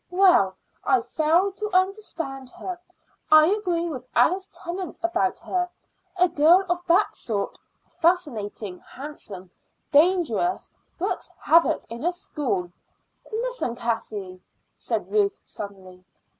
"Well, I fail to understand her. I agree with Alice Tennant about her. A girl of that sort fascinating, handsome, dangerous works havoc in a school." "Listen, Cassie," said Ruth suddenly.